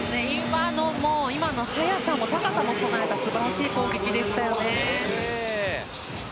今のは、速さも高さも備えた素晴らしい攻撃でしたよね。